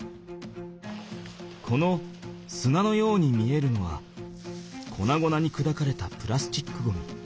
この砂のように見えるのはこなごなにくだかれたプラスチックゴミ。